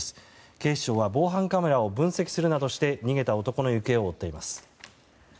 警視庁は防犯カメラを分析するなどして逃げた男の行方を追っています。